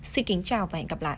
xin kính chào và hẹn gặp lại